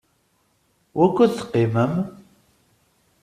Wukud teqqimem?